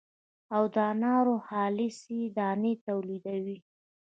او د انارو خالصې دانې تولیدوي.